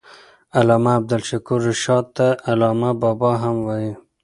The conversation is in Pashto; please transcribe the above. علامه عبدالشکور رشاد ته علامه بابا هم وايي.